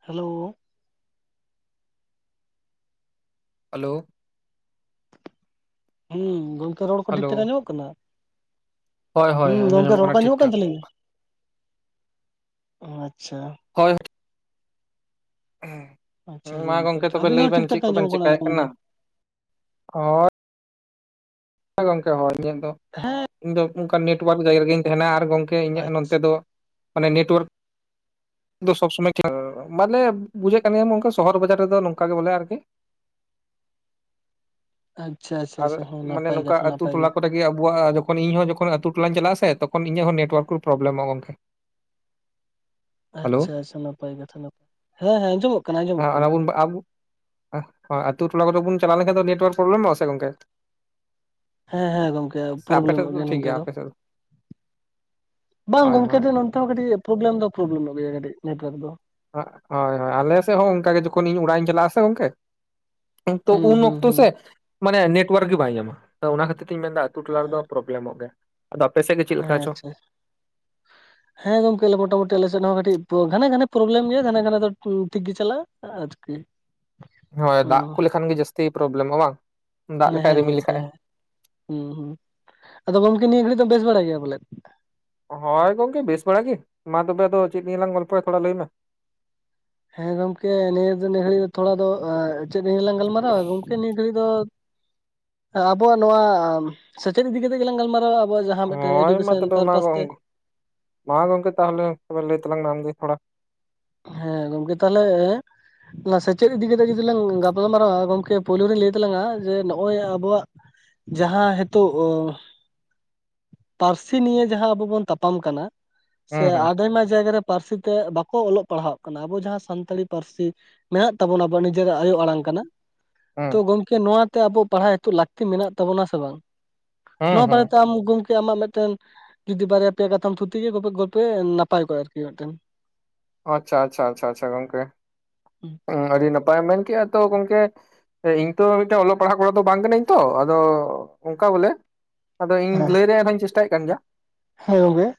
Hello hello ᱦᱮᱸ ᱜᱚᱝᱠᱮ ᱨᱚᱲ ᱠᱚ ᱴᱷᱤᱠ ᱦᱮᱞᱳ ᱴᱷᱟᱠ ᱧᱟᱢᱚᱜ ᱠᱟᱱᱟ ᱦᱳᱭ ᱦᱳᱭ ᱦᱮᱸ ᱟᱸᱡᱚᱢ ᱜᱚᱝᱠᱮ ᱧᱟᱢᱚᱜ ᱨᱚᱲ ᱠᱚ ᱠᱟᱱᱟ ᱟᱡᱚᱢ ᱴᱷᱤᱠ ᱢᱚᱜ ᱠᱟᱱ ᱴᱷᱟᱠ ᱛᱞᱤᱧᱟ ᱟᱪᱷᱟ ᱦᱳᱭ ᱟᱪᱪᱷᱟ ᱢᱟ ᱜᱚᱝᱠᱮ ᱛᱚᱵᱮ ᱟᱵᱤᱱᱟᱜ ᱞᱟᱹᱭ ᱦᱚᱸ ᱵᱮᱱ ᱴᱷᱤᱠ ᱪᱮᱫ ᱴᱷᱟᱠ ᱠᱚᱵᱮᱱ ᱟᱸᱡᱚᱢᱚᱜ ᱪᱮᱠᱟᱭᱮᱫ ᱟᱸᱡᱚᱢ ᱫᱚ᱾ ᱠᱟᱱᱟ ᱦᱳᱭ ᱦᱮᱸ ᱜᱚᱝᱠᱮ ᱦᱚᱭ ᱤᱧᱟᱹᱜ ᱫᱚ ᱦᱮᱸᱻ ᱤᱧᱫᱚ ᱚᱱᱠ ᱱᱮᱴᱳᱣᱟᱨᱠ ᱡᱟᱭᱜᱟ ᱨᱮᱜᱤᱧ ᱛᱟᱦᱮᱱᱟ ᱟᱨ ᱜᱚᱢᱠᱮ ᱤᱧᱟᱹᱜ ᱟᱪᱪᱷᱟ ᱱᱚᱛᱮ ᱫᱚ ᱢᱟᱱᱮ ᱱᱮᱴᱳᱣᱟᱨᱠ ᱥᱚᱵ ᱥᱚᱢᱚᱭ ᱵᱟᱞᱮ ᱵᱩᱡᱮᱫ ᱠᱟᱱ ᱜᱮ ᱥᱚᱦᱚᱨ ᱵᱟᱡᱟᱨ ᱨᱮᱫᱚ ᱱᱚᱝᱠᱟ ᱜᱮ ᱵᱚᱞᱮ ᱟᱨᱠᱤ [unintelligible] ᱟᱪᱷᱟ ᱻᱟᱪᱷᱟ ᱟᱫᱚ ᱢᱟᱱᱮ ᱱᱚᱝᱠᱟ ᱟ ᱟᱹᱛᱩ ᱴᱚᱞᱟ ᱠᱚ ᱮ ᱟᱵᱚ ᱡᱚᱠᱷᱚᱱ ᱤᱧ ᱦᱚᱸ ᱡᱚᱠᱷᱚᱱ ᱟᱹᱛᱩ ᱴᱚᱞᱟᱧ ᱪᱟᱞᱟᱜᱼᱟ ᱛᱠᱷᱚᱱ ᱤᱧᱟᱹᱜ ᱦᱚᱸ ᱱᱮᱴᱳᱣᱟᱨᱠ ᱠᱚ ᱯᱨᱚᱵᱞᱮᱢᱚᱜᱼᱟ ᱜᱚᱝᱠᱮ ᱾ ᱟᱪᱪᱷᱟ ᱟᱪᱪᱷᱟ ᱱᱟᱯᱟᱭ ᱠᱟᱛᱷᱟ ᱾ [unintelligible] ᱦᱮᱸ ᱦᱮᱸ ᱟᱸᱡᱚᱢᱚᱜ ᱠᱟᱱᱟ ᱟᱸᱡᱚᱢᱚᱜ ᱠᱟᱱᱟ ᱾ ᱟᱵᱩᱼᱼ ᱟᱹᱛᱩ ᱴᱚᱞᱟ ᱠᱚᱨᱮ ᱵᱚᱱ ᱪᱟᱞᱟᱣ ᱞᱮᱱᱠᱷᱟᱱ ᱫᱚ ᱱᱮᱴᱚᱣᱟᱨᱠ ᱯᱨᱚᱵᱞᱮᱢᱚᱜᱼᱟ ᱥᱮ ᱜᱚᱝᱠᱮ? ᱦᱮᱸ ᱦᱮᱸ ᱜᱚᱝᱠᱮ ᱥᱮ ᱟᱯᱮ ᱴᱷᱮᱡ ᱯᱨᱚᱵᱞᱮᱢᱚᱜ ᱜᱮᱭᱟ ᱴᱷᱤᱠ ᱱᱚᱱᱛᱮ ᱫᱚ ᱟᱯᱮ ᱥᱮᱫ ᱾ ᱵᱟᱝ ᱦᱳᱭ ᱜᱚᱝᱠᱮ ᱦᱳᱭ ᱫᱚᱼᱼ ᱱᱚᱛᱮ ᱦᱚᱸ ᱠᱟᱹᱴᱤᱡ ᱯᱨᱚᱵᱽᱞᱢ ᱫᱚ ᱯᱨᱚᱵᱞᱮᱢᱚᱜ ᱜᱮᱭᱟ ᱠᱟᱹᱴᱤᱡ ᱱᱮᱴᱚᱣᱟᱨᱠ ᱫᱚ ᱾ ᱦᱳᱭ ᱦᱳᱭ ᱟᱞᱮ ᱥᱮᱫ ᱦᱚᱸ ᱚᱱᱠᱟ ᱜᱮ ᱡᱚᱠᱷᱚᱱ ᱤᱧ ᱚᱲᱟᱜ ᱤᱧ ᱪᱟᱞᱟᱜ ᱟᱥᱮ ᱜᱚᱝᱠᱮᱼᱼ ᱛᱚ ᱦᱩᱸ ᱩᱱ ᱦᱩᱸ ᱚᱠᱛᱚ ᱦᱩᱸ᱾ ᱥᱮ ᱢᱟᱱᱮ ᱱᱮᱴᱚᱣᱟᱨᱠ ᱜᱮ ᱵᱟᱭ ᱧᱟᱢᱟ ᱾ ᱚᱱᱟ ᱠᱷᱟᱹᱛᱤᱨ ᱛᱤᱧ ᱢᱮᱱᱫᱟ ᱟᱛᱩ ᱴᱚᱞᱟ ᱨᱮᱫᱚ ᱯᱨᱚᱵᱼᱼ ᱯᱨᱚᱵᱞᱢᱚᱜ ᱜᱮᱭᱟ᱾ ᱟᱫᱚ ᱟᱯᱮ ᱥᱮᱫ ᱪᱮᱼᱼ ᱦᱮᱸᱻᱟᱪᱷᱟᱻᱟᱪᱷᱟ᱾ ᱦᱮᱸ ᱜᱚᱝᱠᱮ ᱢᱚᱴᱟᱢᱩᱴᱤ ᱟᱞᱮ ᱥᱮᱫ ᱦᱚᱸ ᱠᱟᱹᱴᱤᱡ ᱜᱷᱟᱱᱮ ᱜᱷᱟᱱᱮ ᱯᱨᱽᱞᱮᱢ ᱜᱮᱭᱟ ᱜᱷᱟᱱᱮ ᱜᱷᱟᱱᱮ ᱫᱚ ᱴᱷᱤᱠ ᱜᱮ ᱪᱟᱞᱟᱜᱼᱟ᱾ ᱟᱨᱠᱤᱼᱼ ᱦᱳᱭ ᱫᱟᱜ ᱠᱚ ᱞᱮᱠᱷᱟᱱ ᱜᱮ ᱡᱟᱹᱥᱛᱤ ᱯᱨᱚᱵᱞᱮᱢᱚᱜᱼᱟ ᱵᱟᱝ ᱫᱟᱜ ᱦᱮᱸ ᱞᱮᱠᱷᱟᱱ ᱦᱮᱸ ᱨᱤᱢᱤᱞ ᱜᱚᱝᱠᱮ ᱞᱮᱠᱷᱟᱡᱼᱮ᱾ ᱦᱮᱸ ᱦᱩᱸ ᱦᱩᱹ᱾ ᱟᱫᱚ ᱜᱚᱝᱠᱮ ᱱᱤᱭᱟᱹ ᱜᱷᱟᱹᱲᱤᱡ ᱫᱚ ᱵᱮᱥ ᱵᱟᱲᱟᱭ ᱜᱮᱭᱟ ᱵᱚᱞᱮ? ᱦᱳᱭ ᱜᱚᱝᱠᱮ ᱵᱮᱥ ᱵᱟᱲᱟ ᱜᱮ ᱾ ᱢᱟ ᱛᱚᱵᱮ ᱟᱫᱚ ᱪᱮᱫ ᱱᱤᱭᱟᱹ ᱞᱟᱝ ᱜᱚᱞᱯᱚᱭᱟ ᱛᱷᱚᱲᱟ ᱞᱟᱹᱭ ᱢᱮ? ᱦᱮᱸ ᱜᱚᱝᱠᱮ ᱱᱤᱭᱟᱹ ᱫᱚ ᱱᱤᱭᱟᱹ ᱜᱷᱟᱹᱲᱤᱡ ᱫᱚ ᱛᱷᱚᱲᱟ ᱫᱚ ᱪᱮᱫ ᱨᱮ ᱞᱟᱝ ᱜᱟᱞᱢᱟᱨᱟᱣᱟ ᱜᱚᱝᱠᱮ ᱱᱤᱭᱟᱹ ᱜᱷᱟᱹᱲᱤᱡ ᱫᱚᱼᱼ ᱟᱵᱚᱣᱟᱜ ᱱᱚᱣᱟ ᱥᱮᱪᱮᱫ ᱤᱫᱤ ᱠᱟᱛᱮ ᱜᱮᱞᱟᱝ ᱜᱟᱞᱢᱟᱨᱟᱣᱟ ᱾ ᱟᱵᱚᱣᱟᱜ ᱡᱟᱦᱟᱸ ᱢᱤᱫᱴᱮᱱ ᱦᱳᱭ ᱢᱟ ᱮᱰᱩᱠᱮᱥᱚᱱ ᱛᱚᱵᱮ ᱢᱟ ᱯᱟᱨᱯᱟᱥ ᱛᱮ ᱜᱚᱝ ᱾ ᱢᱟ ᱜᱚᱢᱠᱮ ᱛᱟᱦᱚᱞᱮ ᱛᱚᱵᱮ ᱞᱟᱹᱭ ᱛᱟᱞᱟᱝ ᱢᱮ ᱟᱢᱜᱮ ᱛᱷᱚᱲᱟ ᱾ ᱦᱮᱸ ᱜᱚᱝᱠᱮ ᱛᱟᱦᱚᱞᱮᱼᱼ ᱚᱱᱟ ᱥᱮᱪᱮᱫ ᱤᱫᱤ ᱠᱟᱛᱮ ᱡᱩᱫᱤ ᱞᱟᱝ ᱜᱟᱯᱟᱞᱢᱟᱨᱟᱣᱟ ᱜᱚᱢᱠᱮ ᱯᱳᱭᱞᱳ ᱨᱤᱧ ᱞᱟᱹᱭ ᱛᱟᱞᱟᱝᱟ ᱡᱮ ᱱᱚᱜᱼᱚᱭ ᱟᱵᱚᱣᱟᱜᱼᱼ ᱡᱟᱦᱟᱸ ᱱᱤᱛᱚᱜᱼᱼ ᱯᱟᱹᱨᱥᱤ ᱱᱤᱭᱮ ᱡᱟᱦᱟᱸ ᱟᱵᱚ ᱵᱚᱱ ᱛᱟᱯᱟᱢ ᱠᱟᱱᱟ ᱥᱮ ᱦᱩᱸ ᱦᱩᱸ ᱟᱵᱮᱱᱟ ᱡᱟᱭᱜᱟ ᱨᱮ ᱯᱟᱹᱨᱥᱤ ᱛᱮ ᱵᱟᱠᱚ ᱚᱞᱚᱜᱼᱼ ᱯᱟᱲᱦᱟᱜ ᱠᱟᱱᱟ ᱟᱵᱚ ᱡᱟᱦᱟᱸ ᱥᱟᱱᱛᱟᱲᱤ ᱯᱟᱹᱨᱥᱤ ᱢᱮᱱᱟᱜ ᱛᱟᱵᱚᱱᱟ ᱟᱵᱚᱣᱟᱜ ᱱᱤᱡᱮᱨᱟᱜ ᱟᱭᱳ ᱟᱲᱟᱝ ᱠᱟᱱᱟ ᱾ ᱦᱩᱸ ᱛᱚ ᱜᱚᱢᱠᱮ ᱱᱚᱣᱟᱛᱮ ᱟᱵᱚᱟᱜ ᱯᱟᱲᱦᱟᱜ ᱱᱤᱛᱚᱜ ᱞᱟᱹᱠᱛᱤ ᱢᱮᱱᱟᱜ ᱛᱟᱵᱚᱱᱟ ᱥᱮ ᱵᱟᱝ? ᱦᱩᱸ ᱱᱚᱣᱟ ᱦᱩᱸ ᱵᱟᱨᱮ ᱛᱮ ᱟᱢ ᱜᱚᱝᱠᱮᱼᱼ ᱟᱢᱟᱜ ᱢᱤᱫᱴᱮᱱ ᱡᱩᱫᱤ ᱵᱟᱨᱭᱟ ᱯᱮᱭᱟ ᱠᱟᱛᱷᱟᱢ ᱛᱷᱩᱛᱤᱭᱟ ᱜᱚᱞᱯᱚᱭ ᱱᱟᱯᱟᱭ ᱠᱚᱜᱼᱟ ᱟᱨᱠᱤ ᱢᱤᱫᱴᱮᱱᱼᱼ ᱟᱪᱪᱷᱟ ᱟᱪᱪᱷᱟ ᱟᱪᱪᱷᱟ ᱟᱪᱪᱷᱟ ᱜᱚᱝᱠᱮ ᱾ [unintelligible] ᱦᱩᱸ ᱾ ᱟᱹᱰᱤ ᱱᱟᱯᱟᱭᱮᱢ ᱢᱮᱱ ᱠᱮᱜᱼᱟ ᱛᱚ ᱜᱚᱝᱠᱮ᱾ ᱤᱧ ᱛᱚ ᱢᱤᱫᱴᱟᱝ ᱚᱞᱚᱜ ᱯᱟᱲᱦᱟᱜ ᱠᱚᱲᱟ ᱫᱚ ᱵᱟᱝ ᱠᱟᱹᱱᱟᱹᱧ ᱛᱚ ᱟᱫᱚ ᱚᱱᱠᱟ ᱵᱚᱞᱮᱼᱼ ᱟᱫᱚ ᱤᱧ ᱦᱮᱸ ᱞᱟᱹᱭ ᱨᱮᱭᱟᱜ ᱦᱚᱧ ᱪᱮᱥᱴᱟᱭᱮᱫ ᱠᱟᱱ ᱜᱮᱭᱟ ᱾ ᱦᱮᱸ ᱜᱚᱝᱜᱮ ᱾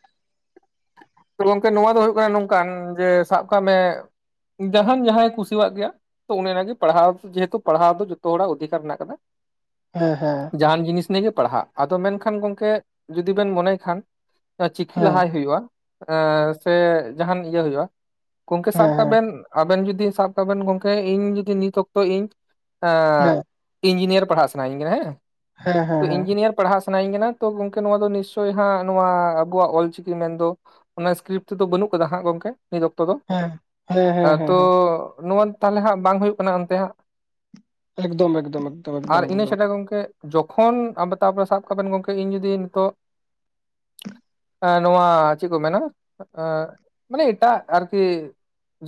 ᱜᱚᱝᱠᱮ ᱱᱚᱣᱟ ᱫᱚ ᱦᱩᱭᱩᱜ ᱠᱟᱱᱟ ᱱᱚᱝᱠᱟᱱ ᱡᱮ ᱥᱟᱵ ᱠᱟᱜ ᱢᱮ ᱡᱟᱦᱟᱱ ᱡᱟᱦᱟᱸᱭᱼᱼ ᱠᱩᱥᱤᱭᱟᱜ ᱜᱮᱭᱟ ᱛᱚ ᱚᱱᱮ ᱚᱱᱟ ᱜᱮ ᱯᱟᱲᱦᱟᱣ ᱡᱮᱦᱮᱛᱩ ᱯᱟᱲᱦᱟᱣ ᱫᱚ ᱡᱚᱛᱚ ᱦᱚᱲᱟᱜ ᱚᱫᱷᱤᱠᱟᱨ ᱦᱮᱱᱟᱜ ᱟᱠᱟᱫᱟ ᱾ ᱦᱮᱸ ᱦᱮᱸ ᱾ ᱡᱟᱦᱟᱱ ᱡᱤᱱᱤᱥ ᱱᱤᱭᱮ ᱜᱮ ᱯᱟᱲᱦᱟᱜ ᱟᱫᱚ ᱢᱮᱱ ᱠᱷᱟᱱ ᱜᱚᱝᱠᱮ ᱡᱩᱫᱤ ᱵᱮᱱ ᱢᱚᱱᱮᱭ ᱠᱷᱟᱱᱼᱼ ᱪᱤᱠᱤ ᱦᱮᱸ ᱞᱟᱦᱟᱭ ᱦᱩᱭᱩᱜᱼᱟ [unintelligible] ᱥᱮ ᱡᱟᱦᱟᱱ ᱤᱭᱟᱹ ᱦᱩᱭᱩᱜᱼᱟᱼᱼ ᱜᱚᱝᱠᱮ ᱥᱟᱵ ᱦᱮᱸ ᱠᱟᱜ ᱵᱮᱱ ᱟᱵᱮᱱ ᱡᱩᱫᱤ ᱥᱟᱵ ᱠᱟᱜ ᱵᱮᱱ ᱜᱚᱝᱠᱮ ᱤᱧ ᱡᱩᱫᱤ ᱱᱤᱛ ᱚᱠᱛᱚ ᱤᱧᱼᱼ ᱦᱮᱸ ᱦᱮᱸ ᱤᱧᱡᱤᱱᱤᱭᱟᱨ ᱯᱟᱲᱦᱟᱜ ᱥᱟᱱᱟᱧ ᱠᱟᱱᱟ ᱦᱮᱸ ᱦᱮᱸ ᱦᱮᱸ [unintelligible] ᱤᱧᱡᱤᱱᱤᱭᱟᱨᱼᱼ ᱯᱟᱲᱦᱟᱜ ᱥᱟᱱᱟᱧ ᱠᱟᱱᱟ ᱛᱚ ᱜᱚᱝᱠᱮ ᱱᱚᱣᱟ ᱫᱚ ᱱᱤᱥᱪᱳᱭ ᱦᱟᱸᱜ ᱱᱚᱣᱟ ᱟᱵᱚᱣᱟᱜ ᱚᱞᱪᱤᱠᱤ ᱢᱮᱱ ᱫᱚᱼᱼ ᱚᱱᱟ ᱤᱥᱠᱨᱤᱯᱴ ᱛᱮᱫᱚ ᱵᱟᱹᱱᱩᱜ ᱠᱟᱫᱟ ᱦᱟᱸᱜ ᱜᱚᱝᱠᱮ ᱱᱤᱛ ᱚᱠᱛᱚ ᱫᱚ ᱦᱮᱸ ᱦᱮᱸ ᱦᱮᱸ [unintelligible] ᱦᱮᱸ ᱛᱚᱼᱼ ᱦᱮᱸ ᱱᱚᱣᱟ ᱛᱟᱦᱚᱞᱮ ᱦᱟᱸᱜ ᱵᱟᱝ ᱦᱩᱭᱩᱜ ᱠᱟᱱᱟ ᱚᱱᱛᱮ ᱦᱟᱸᱜᱼᱼ ᱮᱠᱫᱚᱢ ᱮᱠᱫᱚᱢ ᱮᱠᱫᱚᱢ ᱟᱨ ᱮᱠᱫᱚᱢ ᱤᱱᱟᱹ ᱮᱠᱫᱚᱢ ᱾ ᱪᱷᱟᱰᱟ ᱜᱚᱝᱠᱮ ᱡᱚᱠᱷᱚᱱ [unintelligible] ᱥᱟᱵ ᱠᱟᱜ ᱵᱮᱱ ᱜᱚᱝᱠᱮ ᱤᱧ ᱡᱩᱫᱤ ᱱᱤᱛᱚᱜᱼᱼ ᱦᱮᱸ ᱱᱚᱣᱟ ᱪᱮᱫ ᱠᱚ ᱢᱮᱱᱟ [unintelligible] ᱢᱟᱱᱮ ᱮᱴᱟᱜ ᱟᱨᱠᱤᱼᱼ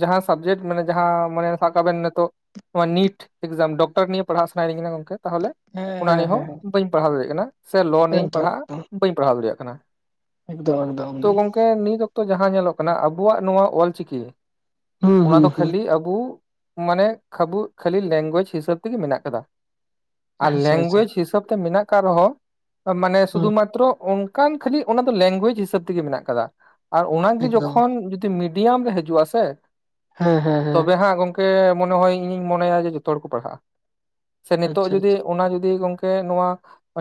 ᱡᱟᱦᱟᱸ ᱥᱟᱵᱡᱮᱠᱴ ᱢᱟᱱᱮᱼᱼ ᱡᱟᱦᱟᱸ ᱢᱟᱱᱮ ᱥᱟᱵ ᱠᱟᱜ ᱵᱮᱱ ᱱᱤᱛᱚᱜ ᱱᱚᱣᱟ ᱱᱤᱴ ᱮᱠᱡᱟᱢ ᱰᱚᱠᱴᱚᱨ ᱱᱤᱭᱮ ᱯᱟᱲᱦᱟᱜ ᱥᱟᱱᱟᱭᱮᱫ ᱤᱧ ᱠᱟᱱᱟ ᱜᱚᱝᱠᱮ ᱛᱟᱦᱚᱞᱮᱼᱼ ᱦᱮᱸ ᱚᱱᱟ ᱦᱮᱸ ᱱᱤᱭᱮ ᱦᱚᱸ ᱦᱮᱸ ᱵᱟᱹᱧ ᱯᱟᱲᱦᱟᱣ ᱫᱟᱲᱮᱭᱟᱜ ᱠᱟᱱᱟ ᱥᱮ ᱞᱚ ᱱᱤᱭᱮᱧ ᱮᱠᱫᱚᱢ ᱯᱟᱲᱦᱟᱜᱼᱟ ᱮᱠᱫᱚᱢ ᱵᱟᱹᱧ ᱯᱟᱲᱦᱟᱣ ᱫᱟᱲᱮᱭᱟᱜ ᱠᱟᱱᱟ ᱾ ᱮᱠᱫᱚᱢ ᱮᱠᱫᱚᱢ ᱮᱠᱫᱚᱢ᱾ ᱜᱚᱝᱠᱮ ᱱᱤᱛ ᱚᱠᱛᱚ ᱡᱟᱦᱟᱸ ᱧᱮᱞᱚᱜ ᱠᱟᱱᱟ ᱟᱵᱚᱣᱟᱜ ᱱᱚᱣᱟ ᱚᱞᱪᱤᱠᱤ ᱚᱱᱟ ᱫᱚ ᱦᱩᱸᱻᱦᱩᱸᱻᱦᱩᱸ ᱠᱷᱟᱹᱞᱤ ᱟᱵᱚ ᱢᱟᱱᱮ ᱠᱷᱟᱵᱩ ᱠᱷᱟᱹᱞᱤ ᱞᱮᱝᱜᱩᱭᱮᱡᱽ ᱦᱤᱥᱟᱹᱵ ᱛᱮᱜᱮ ᱢᱮᱱᱟᱜ ᱟᱠᱟᱫᱟ᱾ ᱟᱨ ᱟᱪᱪᱷᱟ ᱟᱪᱪᱷᱟ ᱞᱮᱝᱜᱩᱭᱮᱡᱽ ᱦᱤᱥᱟᱹᱵ ᱛᱮ ᱢᱮᱱᱟᱜ ᱠᱟᱜ ᱨᱮᱦᱚᱸ ᱢᱟᱱᱮ ᱦᱩᱸ ᱥᱩᱫᱷᱩ ᱢᱟᱛᱨᱚ ᱩᱱ ᱠᱟᱱ ᱠᱷᱟᱹᱞᱤ ᱚᱱᱟ ᱫᱚ ᱞᱮᱝᱜᱩᱭᱮᱡ ᱦᱤᱥᱟᱹᱵ ᱛᱮᱜᱮ ᱢᱮᱱᱟᱜ ᱟᱠᱟᱫᱟ ᱟᱨ ᱚᱱᱟᱜᱮ ᱮᱠᱫᱚᱢ ᱡᱚᱠᱷᱚᱱ ᱢᱤᱰᱤᱭᱟᱢ ᱨᱮ ᱦᱤᱡᱩᱜ-ᱟ ᱥᱮ ᱦᱮᱸᱻᱦᱮᱸᱻ ᱛᱚᱵᱮ ᱦᱟᱸᱜ ᱜᱚᱢᱠᱮ ᱢᱚᱱᱮ ᱦᱚᱭ ᱤᱧ ᱤᱧ ᱢᱚᱱᱮᱭᱟ ᱡᱮ ᱡᱚᱛᱚ ᱦᱚᱲ ᱠᱚ ᱯᱟᱲᱦᱟᱜ-ᱟ ᱥᱮ ᱱᱤᱛᱚᱜ ᱟᱪᱪᱷᱟ ᱡᱩᱫᱤ ᱟᱪᱪᱷᱟ ᱚᱱᱟ ᱡᱩᱫᱤ ᱜᱚᱝᱠᱮ ᱱᱚᱣᱟ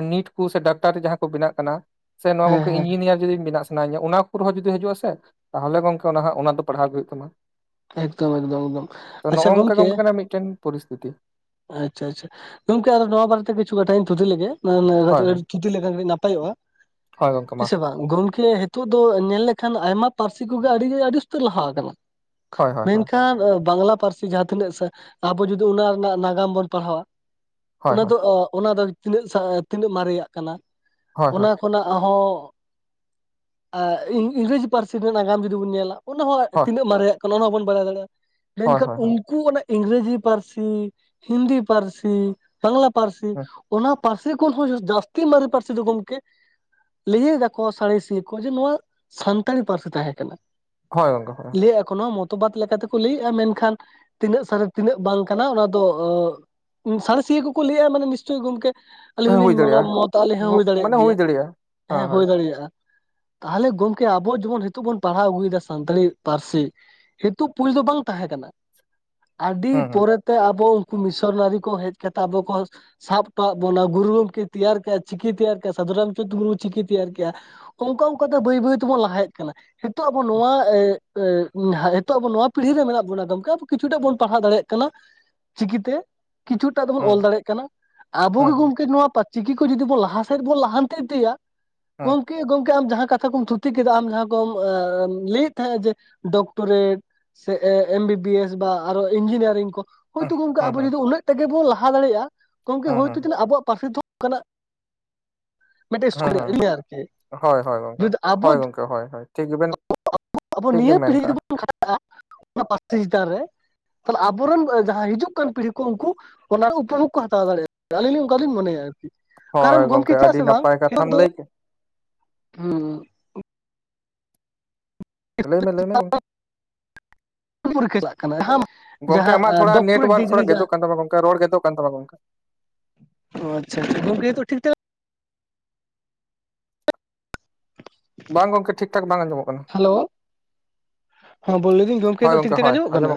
ᱱᱤᱴ ᱠᱚ ᱥᱮ ᱰᱟᱠᱴᱟᱨᱤ ᱡᱟᱦᱟᱸ ᱠᱚ ᱵᱮᱱᱟᱜ ᱠᱟᱱᱟ ᱥᱮ ᱱᱚᱣᱟ ᱦᱮᱸ ᱜᱚᱝᱠᱮ ᱦᱮᱸ ᱤᱧᱡᱤᱱᱤᱭᱟᱨ ᱡᱩᱫᱤ ᱵᱮᱱᱟᱜ ᱟᱥᱮ ᱥᱟᱱᱟᱭᱧᱟ ᱚᱱᱟ ᱠᱚᱨᱮᱦᱚᱸ ᱡᱩᱫᱤ ᱦᱤᱡᱩᱜ ᱟᱥᱮ ᱛᱟᱦᱚᱞᱮ ᱜᱚᱝᱠᱮ ᱚᱱᱟ ᱚᱱᱟ ᱫᱚ ᱯᱟᱲᱦᱟᱣ ᱜᱮ ᱦᱩᱭᱩᱜ ᱛᱟᱢᱟ ᱾ ᱮᱠᱫᱚᱢ ᱮᱠᱫᱚᱢ ᱮᱠᱫᱚᱢ ᱛᱚ ᱱᱚᱜ ᱟᱪᱪᱷᱟ ᱚᱝᱠᱟ ᱜᱚᱢᱠᱮ ᱜᱚᱝᱠᱮ ᱠᱟᱱᱟ ᱢᱤᱫᱴᱮᱱ ᱯᱚᱨᱤᱥᱛᱷᱤᱛᱤ ᱟᱪᱪᱷᱟ ᱟᱪᱪᱷᱟ ᱜᱚᱝᱠᱮ ᱟᱫᱚ ᱱᱚᱣᱟ ᱵᱟᱨᱮ ᱠᱤᱪᱷᱩ ᱠᱟᱛᱷᱟ ᱤᱧ ᱛᱩᱫᱤ ᱞᱮᱜᱮ ᱦᱳᱭ ᱦᱳᱭ [unintelligible] ᱛᱷᱩᱛᱤ ᱞᱮᱠᱷᱟᱱ ᱠᱟᱴᱤᱡ ᱱᱟᱯᱟᱭᱚᱜ-ᱟ ᱦᱳᱭ ᱜᱚᱝᱠᱮ ᱢᱟ ᱦᱮᱸ ᱥᱮ ᱵᱟᱝ ᱜᱚᱝᱠᱮ ᱦᱤᱛᱚᱜ ᱫᱚ ᱧᱮᱞ ᱞᱮᱠᱷᱟᱱ ᱟᱭᱢᱟ ᱯᱟᱹᱨᱥᱤ ᱠᱚᱜᱮ ᱟᱹᱰᱤᱜᱮ ᱟᱹᱰᱤ ᱩᱥᱛᱟᱹᱨ ᱞᱟᱦᱟ ᱟᱠᱟᱱᱟ ᱦᱳᱭ ᱦᱳᱭ ᱦᱳᱭ ᱢᱮᱱᱠᱷᱟᱱ ᱵᱟᱝᱞᱟ ᱯᱟᱹᱨᱥᱤ ᱡᱟᱦᱟᱸ ᱛᱤᱱᱟᱹᱜ ᱥᱟ ᱟᱵᱚ ᱡᱩᱫᱤ ᱚᱱᱟ ᱨᱮᱱᱟᱜ ᱱᱟᱜᱟᱢ ᱱᱟᱜᱟᱢ ᱵᱚᱱ ᱯᱟᱲᱦᱟᱣᱟ ᱦᱳᱭ ᱚᱱᱟ ᱦᱳᱭ ᱫᱚ ᱚ ᱚᱱᱟ ᱫᱚ ᱛᱤᱱᱟᱹᱜ ᱥᱟ ᱛᱤᱱᱟᱹᱜ ᱢᱟᱨᱮᱭᱟᱜ ᱠᱟᱱᱟ, ᱦᱳᱭ ᱦᱳᱭ ᱚᱱᱟ ᱠᱷᱚᱱᱟᱜ ᱦᱚᱸ ᱤᱝ, ᱤᱝᱨᱮᱡᱤ ᱯᱟᱹᱨᱥᱤ ᱨᱮᱱᱟᱜ ᱱᱟᱜᱟᱢ ᱡᱩᱫᱤ ᱵᱚᱱ ᱧᱮᱞᱟ ᱚᱱᱟ ᱦᱚᱸ ᱛᱤᱱᱟᱹᱜ ᱢᱟᱨᱮᱭᱟᱜ ᱠᱟᱱᱟ ᱚᱱᱟ ᱦᱚᱸᱵᱚᱱ ᱵᱟᱲᱟᱭ ᱫᱟᱲᱮᱭᱟᱜ-ᱟ ᱦᱳᱭ ᱦᱳᱭ ᱢᱮᱱᱠᱷᱟᱱ ᱦᱳᱭ ᱦᱳᱭ ᱩᱱᱠᱩ ᱚᱱᱟ ᱤᱝᱨᱮᱡᱤ ᱯᱟᱹᱨᱥᱤ ᱦᱤᱱᱫᱤ ᱯᱟᱹᱨᱥᱤ ᱵᱟᱝᱞᱟ ᱯᱟᱹᱨᱥᱤ ᱦᱩᱸ ᱚᱱᱟ ᱯᱟᱹᱨᱥᱤ ᱠᱷᱚᱱ ᱦᱚᱸ ᱡᱟᱹᱥᱛᱤ ᱢᱟᱨᱮ ᱯᱟᱹᱨᱥᱤ ᱫᱚ ᱜᱚᱢᱠᱮ ᱞᱟᱹᱭᱟᱹ ᱜᱟᱠᱚ ᱥᱟᱬᱮᱥᱤᱭᱟᱹᱤᱭᱟᱹ ᱠᱚ ᱡᱮ ᱱᱚᱣᱟ ᱥᱟᱱᱛᱟᱲᱤ ᱯᱟᱹᱨᱥᱤ ᱛᱟᱦᱮᱸ ᱠᱟᱱᱟ ᱦᱳᱭ ᱜᱚᱝᱠᱮ ᱦᱳᱭ ᱞᱟᱹᱭᱮᱜ ᱮ ᱠᱚ ᱢᱚᱛᱚᱵᱟᱫ ᱞᱮᱠᱟᱛᱮᱠᱚ ᱞᱟᱹᱭᱮᱜ-ᱟ ᱢᱮᱱᱠᱷᱟᱱ ᱛᱤᱱᱟᱹᱜ ᱥᱟᱨᱤ ᱛᱤᱱᱟᱹᱜ ᱵᱟᱝ ᱠᱟᱱᱟ ᱚᱱᱟ ᱟᱫᱚ ᱚ ᱥᱟᱬᱮᱥᱤᱭᱟᱹ ᱠᱚᱠᱚ ᱞᱟᱹᱭᱮᱜ-ᱟ ᱢᱟᱱᱮ ᱱᱤᱥᱪᱚᱭ ᱜᱚᱢᱠᱮ ᱟᱹᱞᱤᱧ ᱦᱩᱭ ᱦᱚᱞᱤᱧ ᱢᱚᱱᱮ ᱫᱟᱲᱮᱭᱟᱜᱼᱟ ᱢᱚᱛ ᱟᱞᱤᱧ ᱦᱚᱸ ᱦᱳᱜ ᱦᱩᱭ ᱫᱟᱲᱮᱭᱟᱜ ᱢᱟᱱᱮ ᱜᱮᱭᱟ ᱫᱟᱲᱮᱭᱟᱜᱼᱟ ᱦᱮᱸ ᱦᱩᱭ ᱦᱳᱭ ᱫᱟᱲᱮᱭᱟᱜ-ᱟ ᱛᱟᱦᱚᱞᱮ ᱜᱚᱢᱠᱮ ᱟᱵᱚ ᱡᱮᱢᱚᱱ ᱱᱤᱛᱚᱜ ᱵᱚᱱ ᱯᱟᱲᱦᱟᱣ ᱟᱹᱜᱩᱭᱮᱫᱟ ᱥᱟᱱᱛᱟᱲᱤ ᱯᱟᱹᱨᱥᱤ ᱦᱤᱛᱚᱜ ᱯᱩᱭᱥᱟ ᱵᱟᱝ ᱛᱟᱦᱮᱸ ᱠᱟᱱᱟ ᱟᱹᱰᱤ ᱦᱩᱸ ᱦᱩᱸ ᱯᱚᱨᱮᱛᱮ ᱟᱵᱚ ᱟᱵᱚ ᱩᱱᱠᱩ ᱢᱤᱥᱚᱱᱟᱨᱤ ᱠᱚ ᱦᱮᱡ ᱠᱟᱛᱮ ᱟᱵᱚ ᱠᱚ ᱥᱟᱵ ᱦᱚᱴᱚᱣᱟᱜ ᱵᱚᱱᱟ ᱜᱩᱨᱩ ᱜᱚᱢᱠᱮ ᱛᱮᱭᱟᱨ ᱠᱮᱜᱼᱟ ᱪᱤᱠᱤ ᱛᱮᱭᱟᱨ ᱠᱮᱜ-ᱟ ᱥᱟᱫᱷᱩ ᱨᱟᱢᱪᱟᱸᱫᱽ ᱢᱩᱨᱢᱩ ᱪᱤᱠᱤ ᱛᱮᱭᱟᱨ ᱠᱮᱜ-ᱟ ᱚᱱᱠᱟ ᱚᱱᱠᱟᱛᱮ ᱵᱟᱹᱭ ᱵᱟᱹᱭ ᱛᱮᱵᱚᱱ ᱞᱟᱦᱟ ᱦᱮᱡ ᱠᱟᱱᱟ ᱦᱤᱛᱚᱜ ᱟᱵᱚ ᱱᱚᱣᱟ ᱮ ᱮ ᱦᱤᱛᱚᱜ ᱟᱵᱚ ᱱᱚᱣᱟ ᱯᱤᱲᱦᱤ ᱨᱮ ᱢᱮᱱᱟᱜ ᱵᱚᱱᱟ ᱜᱚᱢᱠᱮ ᱟ ᱠᱤᱪᱷᱩ ᱴᱟᱜ ᱵᱚᱱ ᱯᱟᱲᱦᱟᱣ ᱫᱟᱲᱮᱭᱟᱜ ᱠᱟᱱᱟ ᱪᱤᱠᱤ ᱛᱮ ᱠᱤᱪᱷᱩ ᱴᱟᱜ ᱫᱚᱵᱚᱱ ᱚᱞ ᱦᱩᱸ ᱫᱟᱲᱮᱭᱟᱜ ᱠᱟᱱᱟ ᱟᱵᱚ ᱦᱩᱸ ᱜᱮ ᱦᱩᱸ ᱜᱚᱢᱠᱮ ᱱᱚᱣᱟ ᱪᱤᱠᱤ ᱠᱚ ᱡᱩᱫᱤ ᱵᱚᱱ ᱞᱟᱦᱟ ᱥᱮᱫ ᱵᱚᱱ ᱞᱟᱦᱟᱱᱛᱤ ᱤᱫᱤᱭᱟ ᱦᱩᱸ ᱜᱚᱝ ᱜᱚᱢᱠᱮ ᱟᱢ ᱡᱟᱦᱟᱸ ᱠᱟᱛᱷᱟ ᱠᱚᱢ ᱛᱷᱩᱛᱤ ᱠᱮᱫᱟ ᱟᱢ ᱡᱟᱦᱟᱸ ᱠᱚᱢ ᱞᱟᱹᱭᱮᱫ ᱛᱟᱦᱮᱫ-ᱟ ᱡᱮ ᱰᱚᱠᱴᱚᱨᱮᱰ ᱥᱮ ᱮᱢ ᱵᱤ ᱵᱤ ᱮᱥ ᱵᱟ ᱟᱨ ᱤᱧᱡᱤᱱᱤᱭᱟᱨᱤᱝ ᱠᱚ ᱦᱳᱭᱛᱚ ᱜᱚᱢᱠᱮ ᱦᱩᱸ ᱦᱩᱸ ᱟᱵᱚ ᱦᱩᱸ ᱡᱩᱫᱤ ᱩᱱᱟᱹᱜ ᱢᱟ ᱜᱮᱵᱚᱱ ᱞᱟᱦᱟ ᱫᱟᱲᱮᱭᱟᱜ-ᱟ ᱜᱚᱢᱠᱮ ᱦᱩᱸ ᱦᱳᱭᱛᱚ ᱦᱩᱸ ᱛᱤᱱᱟᱹᱜ ᱟᱵᱚᱣᱟᱜ ᱯᱟᱹᱨᱥᱤ ᱛᱮᱦᱚ ᱠᱟᱱᱟᱜ ᱢᱤᱫᱴᱮᱱ [unintelligible] ᱦᱩᱸ ᱠᱩᱞ ᱦᱩᱸ ᱟᱨᱠᱤ ᱦᱳᱭ ᱦᱳᱭ ᱜᱚᱝᱠᱮ ᱡᱚᱫᱤ ᱟᱵᱚ ᱦᱳᱭ ᱜᱚᱝᱠᱮ ᱦᱳᱭ ᱦᱳᱭ ᱴᱷᱤᱠ ᱜᱮᱵᱮᱱ [unintelligible] ᱟᱵᱚ ᱴᱷᱤᱠ ᱱᱤᱭᱟᱹ ᱜᱮᱢ ᱢᱮᱱ ᱯᱤᱲᱦᱤ ᱡᱩᱫᱤ ᱠᱟᱜᱼᱟ ᱵᱚᱱ ᱠᱷᱟᱸᱰᱟᱜ-ᱟ ᱚᱱᱟ ᱯᱟᱹᱨᱥᱤ ᱪᱮᱛᱟᱱ ᱨᱮ ᱛᱟᱦᱞᱮ ᱟᱵᱚᱨᱮᱱ ᱡᱟᱦᱟᱸ ᱦᱤᱡᱩᱜ ᱠᱟᱱ ᱯᱤᱲᱦᱤ ᱠᱚ ᱩᱱᱠᱩ ᱚᱱᱟ ᱩᱯᱚᱵᱳᱜᱽ ᱦᱟᱛᱟᱣ ᱫᱟᱲᱮᱭᱟᱜ-ᱟ ᱟᱹᱞᱤᱧ ᱞᱤᱧ ᱚᱱᱠᱟ ᱞᱤᱧ ᱢᱚᱱᱮᱭᱟ ᱟᱨᱠᱤ ᱦᱳᱭ ᱠᱟᱨᱚᱱ ᱜᱚᱢᱠᱮ ᱜᱚᱝᱠᱮ ᱪᱮᱫᱟᱜ ᱟᱹᱰᱤ ᱥᱮ ᱵᱟᱝ ᱱᱟᱯᱟᱭ ᱦᱤᱛᱚᱜ ᱠᱟᱛᱷᱟᱢ ᱫᱚ ᱞᱟᱹᱭ ᱠᱮᱫ ᱦᱩᱸᱻ ᱞᱟᱹᱭ ᱢᱮ ᱞᱟᱹᱭ ᱢᱮ ᱜᱚᱢᱠᱮ [inaudible] ᱯᱚᱨᱤᱠᱷᱟ ᱪᱟᱜ ᱠᱟᱱᱟ ᱡᱟᱦᱟᱸ ᱜᱚᱝᱠᱮ ᱡᱟᱦᱟᱸ ᱟᱢᱟᱜ ᱛᱷᱚᱲᱟ ᱰᱚᱠᱴᱚᱨᱮᱴ ᱱᱮᱴᱣᱟᱨᱠ ᱛᱷᱚᱲᱟ ᱰᱤᱜᱽᱨᱤ ᱡᱟᱦᱟᱸ ᱜᱮᱫᱚᱜ ᱠᱟᱱ ᱛᱟᱢᱟ ᱜᱚᱝᱠᱮ ᱨᱚᱲ ᱜᱮᱫᱚᱜ ᱠᱟᱱ ᱛᱟᱢᱟ ᱜᱚᱝᱠᱮ ᱚ ᱟᱪᱷᱟ ᱟᱪᱷᱟ ᱜᱚᱢᱠᱮ ᱦᱤᱛᱚᱜ ᱴᱷᱤᱠ ᱴᱷᱟᱠ ᱵᱟᱝ ᱜᱚᱢᱠᱮ ᱴᱷᱤᱠ ᱴᱷᱟᱠ ᱵᱟᱝ ᱟᱸᱡᱚᱢᱚᱜ ᱠᱟᱱᱟ ᱦᱮᱞᱳ ᱦᱚ ᱵᱚ ᱞᱟᱹᱭᱫᱟᱹᱧ ᱜᱚᱢᱠᱮ ᱦᱳᱭ ᱴᱷᱤᱠ ᱜᱚᱝᱠᱮ ᱴᱷᱟᱠ ᱦᱳᱭ ᱟᱸᱡᱚᱢᱚᱜ ᱠᱟᱱᱟ